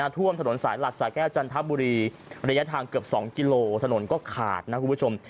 ท่วมถนนสายหลักสาแก้วจันทบุรีระยะทางเกือบ๒กิโลถนนก็ขาดนะคุณผู้ชม